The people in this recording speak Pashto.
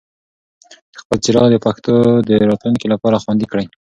خپل ږغ د پښتو د راتلونکي لپاره خوندي کړئ.